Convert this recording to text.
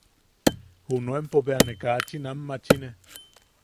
Junuempo bea ne kachin aanmachine.